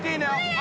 あ！